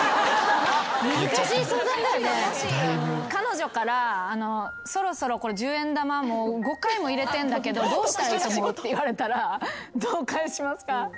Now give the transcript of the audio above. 彼女からそろそろ１０円玉５回も入れてんだけどどうしたらいいと思う？って言われたらどう返しますか？